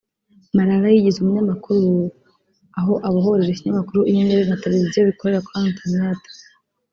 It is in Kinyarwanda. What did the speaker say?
Marara yigize umunyamakuru aho abohoreje Ikinyamakuru Inyenyeri na television bikorera kuri internet